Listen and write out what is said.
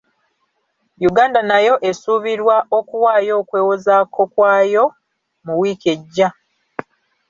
Uganda nayo esuubirwa okuwaayo okwewozaako kwayo mu wiiki ejja.